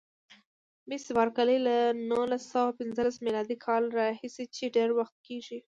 مس بارکلي: له نولس سوه پنځلسم میلادي کال راهیسې چې ډېر وخت کېږي.